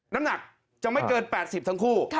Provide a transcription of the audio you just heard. น้ำหนักจะไม่เกิน๘๐ทั้งคู่